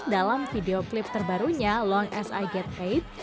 dalam video klip terbarunya long as i get paid